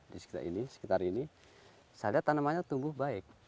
di sekitar ini saya lihat tanamannya tumbuh baik